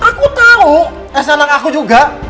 aku tau elsa anak aku juga